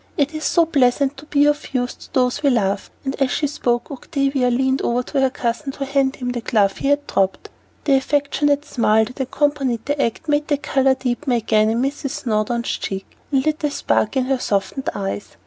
It is so pleasant to be of use to those we love." And as she spoke, Octavia leaned over her cousin to hand him the glove he had dropped. The affectionate smile that accompanied the act made the color deepen again in Mrs. Snowdon's cheek, and lit a spark in her softened eyes.